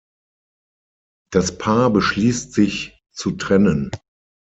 Das Paar beschließt sich zu trennen.